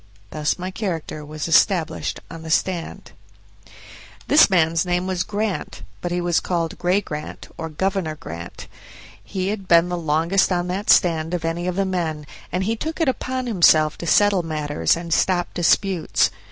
Thus my character was established on the stand. This man's name was Grant, but he was called "Gray Grant", or "Governor Grant". He had been the longest on that stand of any of the men, and he took it upon himself to settle matters and stop disputes.